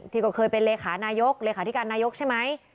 ที่ก็เคยเป็นเลขานายกเลขาธิการนายกใช่ไหม